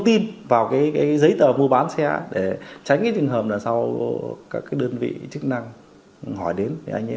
tin vào cái giấy tờ mua bán xe để tránh cái trường hợp là sau các đơn vị chức năng hỏi đến thì anh ấy